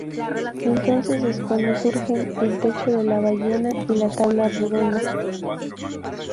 Entonces es cuando surgen El Techo de la Ballena y Tabla Redonda.